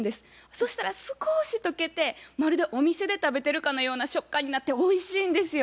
そしたら少し溶けてまるでお店で食べてるかのような食感になっておいしいんですよ。